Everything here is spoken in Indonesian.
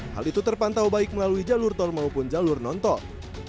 hal itu terpantau baik melalui jalur tol maupun jalur non tol